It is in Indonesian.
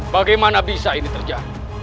bagaimana bisa ini terjadi